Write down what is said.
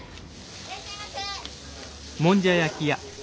いらっしゃいませ。